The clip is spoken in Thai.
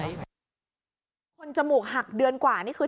คนจมูกหักเดือนกว่านี่คือ